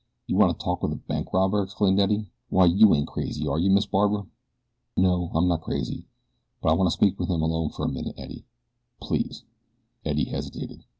"You want to talk with a bank robber?" exclaimed Eddie. "Why you ain't crazy are you, Miss Barbara?" "No, I'm not crazy; but I want to speak with him alone for just a moment, Eddie please." Eddie hesitated.